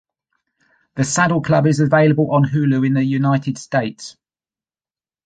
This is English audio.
"The Saddle Club" is available on Hulu in the United States.